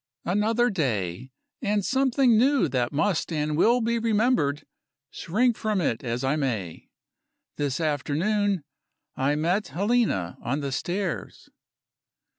....... Another day, and something new that must and will be remembered, shrink from it as I may. This afternoon, I met Helena on the stairs.